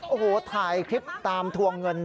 โอ้โหถ่ายคลิปตามทวงเงิน